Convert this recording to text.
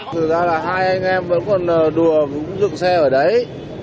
thực ra là hai anh em vẫn còn đùa cũng dựng xe ở đấy